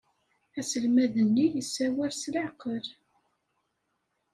Aselmad-nni yessawal s leɛqel.